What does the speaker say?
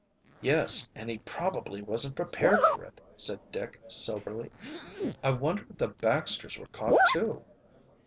"Yes, and he probably wasn't prepared for it," said Dick soberly. "I wonder if the Baxters were caught, too?"